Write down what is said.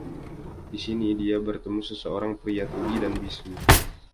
Di sini dia bertemu seorang pria tuli dan bisu.